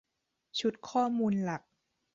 ชุดข้อมูลหลัก